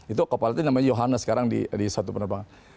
itu kapal itu namanya yohannes sekarang di suatu penerbangan